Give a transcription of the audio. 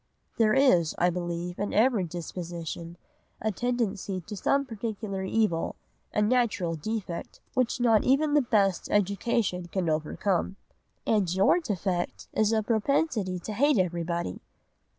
"'There is, I believe, in every disposition a tendency to some particular evil, a natural defect, which not even the best education can overcome.' "'And your defect is a propensity to hate everybody.